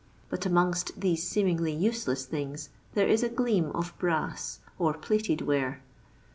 But amongst these seemingly useless things there is a gleam of brass or plated ware.